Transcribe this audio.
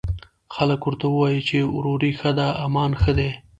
خلک ورته وايي، چې وروري ښه ده، امان ښه دی